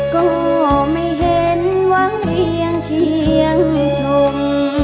ก็ไม่เห็นวังเอียงเคียงชม